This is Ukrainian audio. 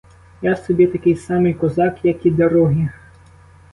Я собі такий самий козак, як і другі.